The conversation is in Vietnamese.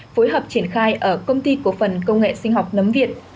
phối hợp triển khai ở công ty cổ phần công nghệ sinh học nấm việt